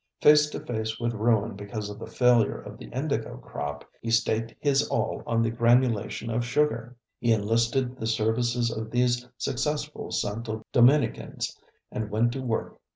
Face to face with ruin because of the failure of the indigo crop, he staked his all on the granulation of sugar. He enlisted the services of these successful Santo Dominicans, and went to work.